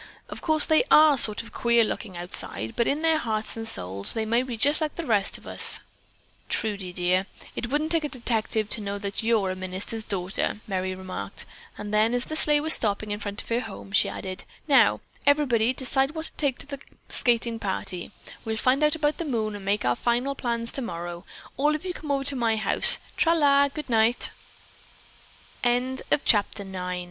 Of course they are sort of queer looking outside, but in their hearts and souls they may be just like the rest of us." "Trudie, dear, it wouldn't take a detective to know that you are a minister's daughter," Merry remarked, then, as the sleigh was stopping in front of her home, she added: "Now, everybody decide what to take to the skating party. We'll find out about the moon and make our final plans tomorrow. All of you come over to my house. Tra la. Good night!"